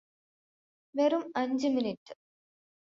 വെറും അഞ്ച് മിനിട്ട്